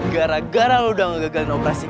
gara gara lo udah ngegagalin operasi kita